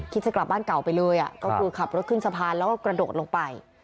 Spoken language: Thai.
จะกลับบ้านเก่าไปเลยก็คือขับรถขึ้นสะพานแล้วก็กระโดดลงไป